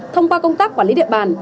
thông qua công tác quản lý địa bàn